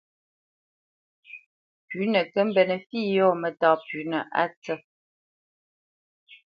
Pʉ̌nə kə́ mbénə̄ fǐ yɔ̂ mətá pʉ́nə a ntsə̂.